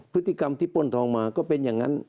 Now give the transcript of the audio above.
พฤติกรรมที่ป้นทองมาก็เป็นอย่างนั้น